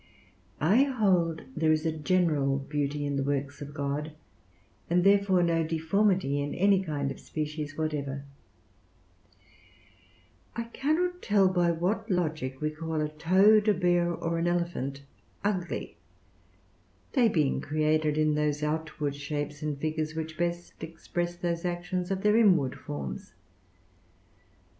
I hold there is a general beauty in the works of God, and therefore no deformity in any kind of species whatsoever: I cannot tell by what logic we call a toad, a bear, or an elephant ugly, they being created in those outward shapes and figures which best express those actions of their inward forms.